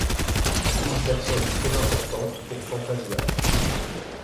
Une personne très importante pour Fantasia.